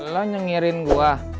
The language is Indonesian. lo nyengirin gua